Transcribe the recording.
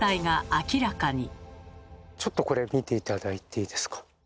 ちょっとこれ見て頂いていいですか？